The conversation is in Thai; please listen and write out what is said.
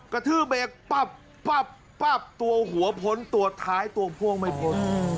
กระทืบเบรกปั๊บปั๊บตัวหัวพ้นตัวท้ายตัวพ่วงไม่พ้น